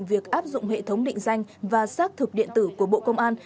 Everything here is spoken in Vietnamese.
việc áp dụng hệ thống định danh và xác thực điện tử của bộ công an